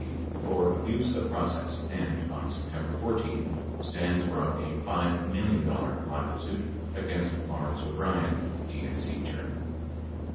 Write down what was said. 75 for abuse of process and, on September 14, Stans brought a $5 million libel suit against Lawrence O'Brien, DNC chairman.